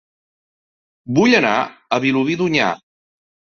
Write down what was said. Vull anar a Vilobí d'Onyar